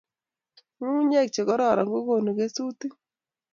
nyukunyek chekororon kokonu kesutik